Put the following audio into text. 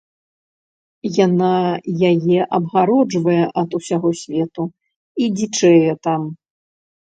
Яна яе абгароджвае ад усяго свету і дзічэе там.